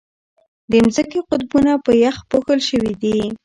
د ځمکې قطبونه په یخ پوښل شوي دي.